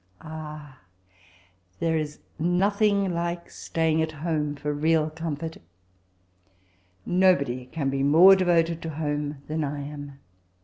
"' Ah I there is nothing like staying at home for real comfort Nobod/ can be more deyoted to home than I am.